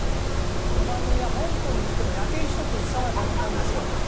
この番組は香港に行っても夜景一つ映さない番組なんですよ。